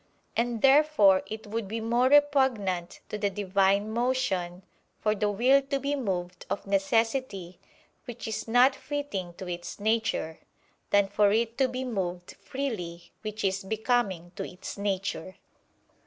And therefore it would be more repugnant to the Divine motion, for the will to be moved of necessity, which is not fitting to its nature; than for it to be moved freely, which is becoming to its nature.